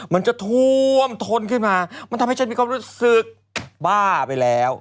มันจะท่วมทนขึ้นมามันทำให้ฉันมีความรู้สึกบ้าไปแล้ว